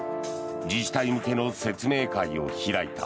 自治体向けの説明会を開いた。